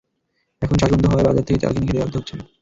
এখন চাষ বন্ধ হওয়ায় বাজার থেকে চাল কিনে খেতে বাধ্য হচ্ছেন।